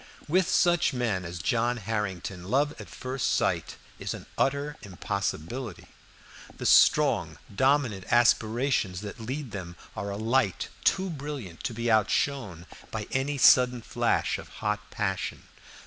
With such men as John Harrington love at first sight is an utter impossibility. The strong dominant aspirations that lead them are a light too brilliant to be outshone by any sudden flash of hot passion.